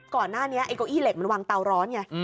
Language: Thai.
ก่อนหน้านี้ไอ้เก้าอี้เหล็กมันวางเตาร้อนไง